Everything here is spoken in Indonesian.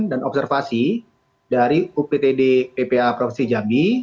dan observasi dari uptd ppa provinsi jambi